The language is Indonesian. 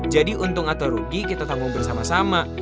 jadi untung atau rugi kita tanggung bersama sama